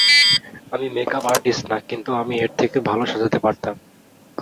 আমি makeup artist না, কিন্তু আমিও এর থেকে ভালো সাঁজাতে পারতাম।